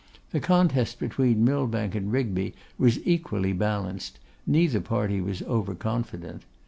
The contest between Millbank and Rigby was equally balanced, neither party was over confident.